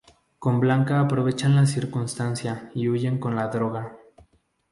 Con Blanca aprovechan la circunstancia y huyen con la droga.